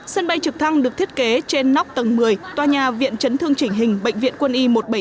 sân bay trực thăng được thiết kế trên nóc tầng một mươi toa nhà viện chấn thương chỉnh hình bệnh viện quân y một trăm bảy mươi năm